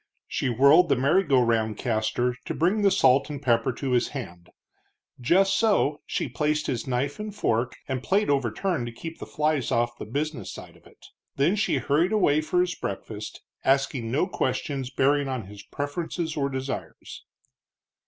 She whirled the merry go round caster to bring the salt and pepper to his hand; just so she placed his knife and fork, and plate overturned to keep the flies off the business side of it. Then she hurried away for his breakfast, asking no questions bearing on his preferences or desires.